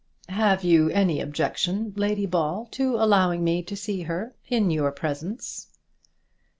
"Have you any objection, Lady Ball, to allowing me to see her in your presence?"